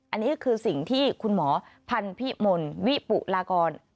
อันนี้คือสิ่งที่คุณหมอพันธิมลวิปุลากร